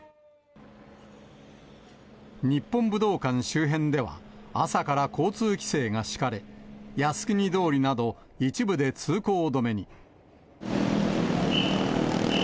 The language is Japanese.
日本武道館周辺では、朝から交通規制が敷かれ、靖国通りなど、一部で通行止めに。